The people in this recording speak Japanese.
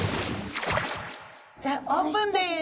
じゃあオープンです。